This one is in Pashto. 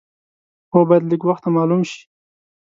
هو باید لږ وخته معلوم شي.